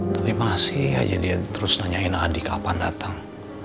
tapi masih aja dia terus nanyain adik kapan datang